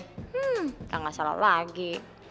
hmm gak salah lagi